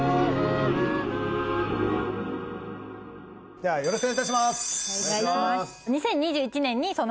ではよろしくお願いいたします。